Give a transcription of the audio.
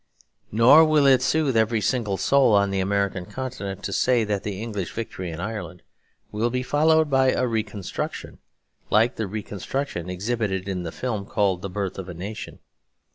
Nor will it soothe every single soul on the American continent to say that the English victory in Ireland will be followed by a reconstruction, like the reconstruction exhibited in the film called 'The Birth of a Nation.'